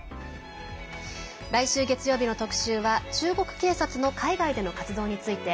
来週月曜日の特集は中国警察の海外での活動について。